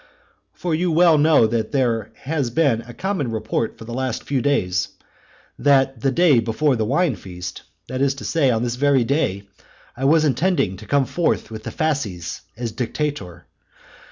For you well know that there has been a common report for the last few days, that the day before the wine feast, that is to say, on this very day, I was intending to come forth with the fasces as dictator.